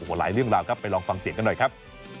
หลายเรื่องราวครับไปลองฟังเสียงกันหน่อยครับ